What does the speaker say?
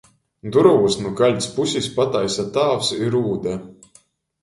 Durovys nu kaļts pusis pataisa tāvs i Rūde.